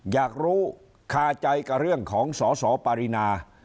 อยากรู้คาใจกับเรื่องของสสปารินา